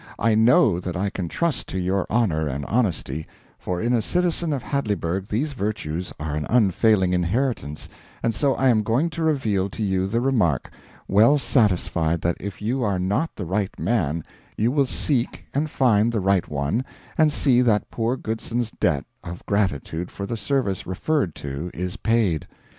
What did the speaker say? I know that I can trust to your honour and honesty, for in a citizen of Hadleyburg these virtues are an unfailing inheritance, and so I am going to reveal to you the remark, well satisfied that if you are not the right man you will seek and find the right one and see that poor Goodson's debt of gratitude for the service referred to is paid.